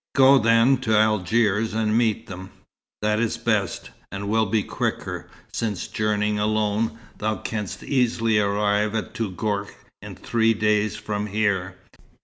"Go then to Algiers, and meet them. That is best, and will be quicker, since journeying alone, thou canst easily arrive at Touggourt in three days from here.